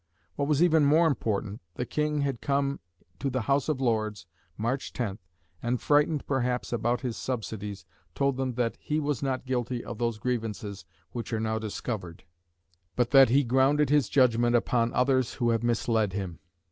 What was even more important, the King had come to the House of Lords (March 10th), and frightened, perhaps, about his subsidies, told them "that he was not guilty of those grievances which are now discovered, but that he grounded his judgement upon others who have misled him."